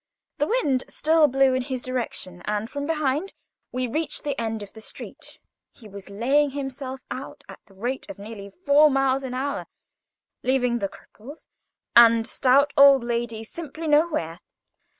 The wind still blew in his direction, and before we reached the end of the street he was laying himself out at the rate of nearly four miles an hour, leaving the cripples and stout old ladies simply nowhere.